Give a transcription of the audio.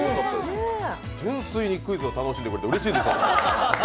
純粋にクイズを楽しんでいただいてうれしいです。